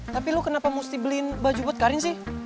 tapi lu kenapa mesti beliin baju buat karin sih